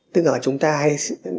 tức là chúng ta hay